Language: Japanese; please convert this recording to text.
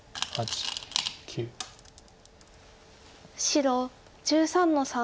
白１３の三。